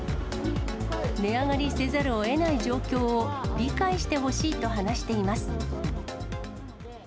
値上がりせざるをえない状況を理解してほしいと話しています。